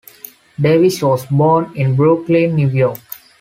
Davis was born in Brooklyn, New York.